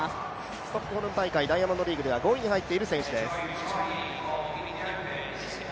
ストックホルム大会、ダイヤモンドリーグでは５位に入っている選手です。